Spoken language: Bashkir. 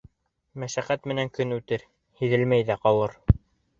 Мәшәҡәт менән көн үтер. һиҙелмәй ҙә ҡалыр...